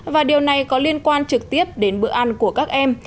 và điều này có liên quan trực tiếp đến bữa ăn của các em